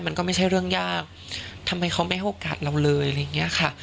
มันก็ไม่ใช่เรื่องยากทำไมเขาไม่ให้โอกาสเราเลยอะไรอย่างเงี้ยค่ะ